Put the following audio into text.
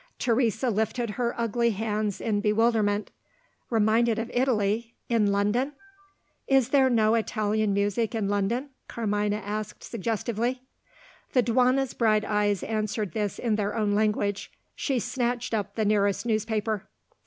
Teresa lifted her ugly hands in bewilderment. "Reminded of Italy in London?" "Is there no Italian music in London?" Carmina asked suggestively. The duenna's bright eyes answered this in their own language. She snatched up the nearest newspaper.